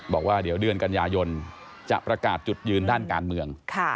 บอกว่าเดี๋ยวเดือนกันยายนจะประกาศจุดยืนด้านการเมือง